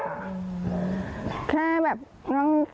แค่แบบน้องแง๊งตามประสาทแฟนกันอะไรอย่างนี้ค่ะ